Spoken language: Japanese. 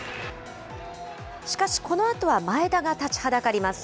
しかし、このあとは前田が立ちはだかります。